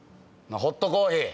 ホットコーヒー。